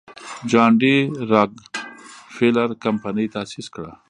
جان ډي راکلفیلر کمپنۍ تاسیس کړه.